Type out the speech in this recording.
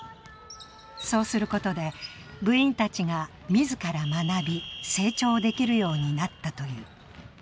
そうすることで、部員たちが自ら学び、成長できるようになったという。